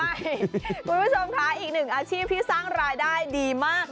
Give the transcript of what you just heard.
คุณผู้ชมค่ะอีกหนึ่งอาชีพที่สร้างรายได้ดีมาก